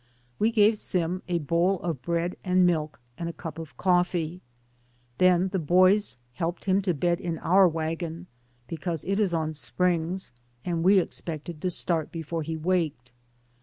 We gave Sim a bowl of bread and milk, and a cup of coffee. Then the boys helped him to bed in our wagon, be cause it is on springs and we expected to start before he waked.